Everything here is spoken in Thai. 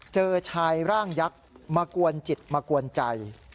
เจอชายร่างยักษ์มากวนจิตมากวนใจ